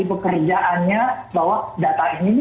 pekerjaannya bahwa data ini